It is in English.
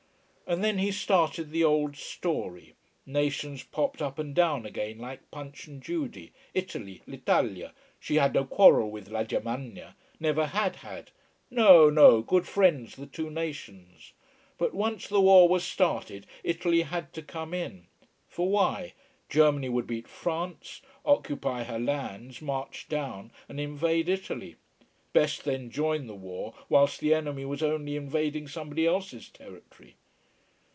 And then he started the old story. Nations popped up and down again like Punch and Judy. Italy l'Italia she had no quarrel with La Germania never had had no no, good friends the two nations. But once the war was started, Italy had to come in. For why. Germany would beat France, occupy her lands, march down and invade Italy. Best then join the war whilst the enemy was only invading somebody else's territory.